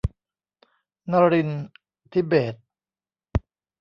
นรินทร์ธิเบศร์